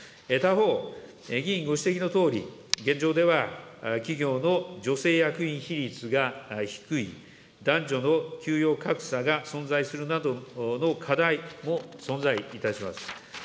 他方、議員ご指摘のとおり、現状では企業の女性役員比率が低い、男女の給与格差が存在するなどの課題も存在いたします。